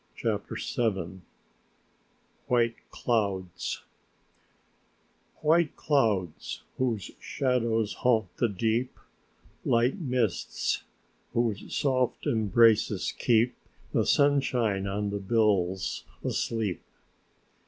CHAPTER VII WHITE CLOUDS "White clouds, whose shadows haunt the deep, Light mists, whose soft embraces keep The sunshine on the bills asleep."